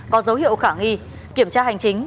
có dấu hiệu khả nghi kiểm tra hành chính